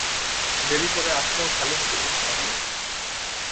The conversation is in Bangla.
দেরি করে আসলেও খালি হাতে কিন্তু আসিনি!